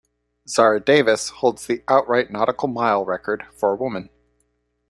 Zara Davis holds the outright nautical mile record for a woman.